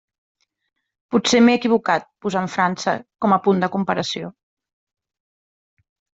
Potser m'he equivocat posant França com a punt de comparació.